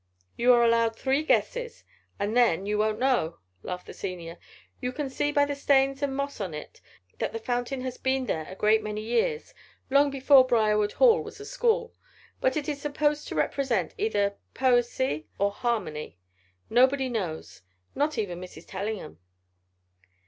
"You are allowed three guesses and then you won't know," laughed the Senior. "You can see by the stains and moss on it that the fountain has been there a great many years. Long before Briarwood Hall was a school. But it is supposed to represent either Poesy, or Harmony. Nobody knows not even Mrs. Tellingham."